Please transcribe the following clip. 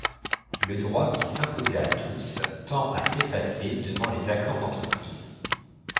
Le droit qui s'imposait à tous tend à s'effacer devant les accords d'entreprises.